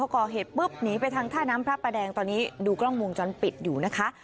ก่อเหตุปุ๊บหนีไปทางท่าน้ำพระประแดงตอนนี้ดูกล้องวงจรปิดอยู่นะคะ